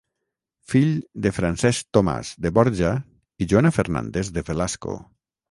Fill de Francesc Tomàs de Borja i Joana Fernández de Velasco.